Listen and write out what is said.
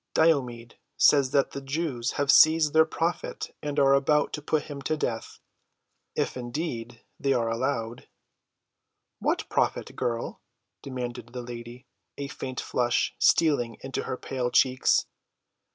"Diomed says that the Jews have seized their prophet and are about to put him to death—if, indeed, they are allowed." "What prophet, girl?" demanded the lady, a faint flush stealing into her pale cheeks.